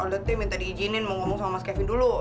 alda teh minta diizinin mau ngomong sama mas kevin dulu